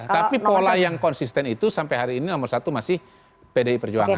tapi pola yang konsisten itu sampai hari ini nomor satu masih pdi perjuangan